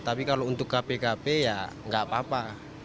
tapi kalau untuk kpkp tidak apa apa